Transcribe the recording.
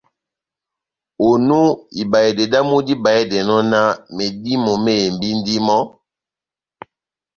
Onu, ibahedɛ dámu díbahedɛnɔ náh medímo mehembindini mɔ́,